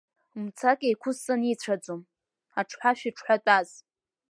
Мцак еиқәысҵан ицәаӡом, аҽҳәа шәыҽҳәатәаз.